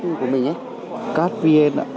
tên web của mình ấy